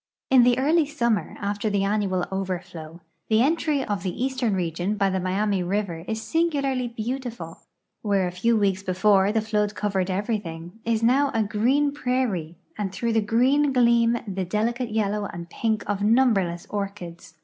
In the early summer, after the annual overflow, the entry of the eastern region hy the Miami river is singularly beautiful. Where a few weeks before the flood covered everything, is now a green }>rairie, and tlirough the green gleam the delicate yellow and pink of numberless orchids.